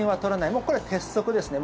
もうこれは鉄則ですね。